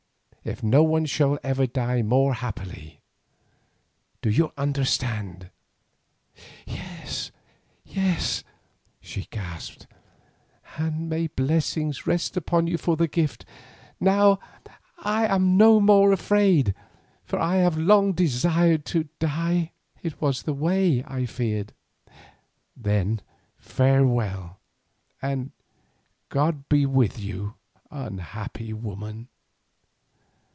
If so none shall ever die more happily. Do you understand?" "Yes—yes," she gasped, "and may blessings rest upon you for the gift. Now I am no more afraid—for I have long desired to die—it was the way I feared." "Then farewell, and God be with you, unhappy woman."